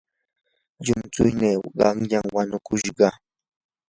llumtsuynii qanyan wanukushqa.